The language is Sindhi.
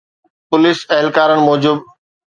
پوليس اهلڪارن موجب